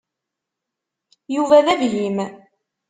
Yuba d abhim.